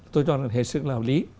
tôi cho là hệ sự là hợp lý